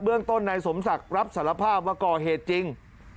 เรื่องต้นนายสมศักดิ์รับสารภาพว่าก่อเหตุจริง